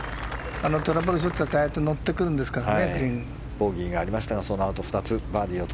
あのトラブルショットのあと乗ってくるんですからね。